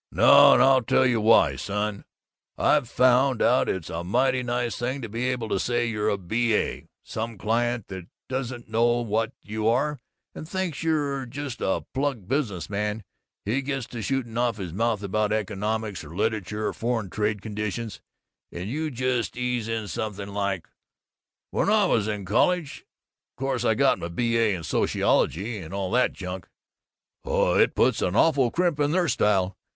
"No, and I'll tell you why, son. I've found out it's a mighty nice thing to be able to say you're a B.A. Some client that doesn't know what you are and thinks you're just a plug business man, he gets to shooting off his mouth about economics or literature or foreign trade conditions, and you just ease in something like, 'When I was in college course I got my B.A. in sociology and all that junk ' Oh, it puts an awful crimp in their style!